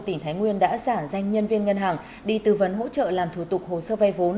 tỉnh thái nguyên đã giả danh nhân viên ngân hàng đi tư vấn hỗ trợ làm thủ tục hồ sơ vay vốn